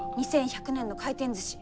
２１００年の回転ずし。